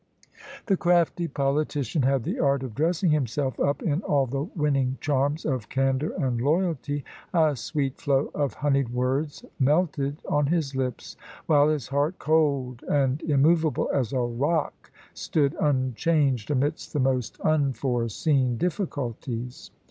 The crafty politician had the art of dressing himself up in all the winning charms of candour and loyalty; a sweet flow of honeyed words melted on his lips, while his heart, cold and immovable as a rock, stood unchanged amidst the most unforeseen difficulties.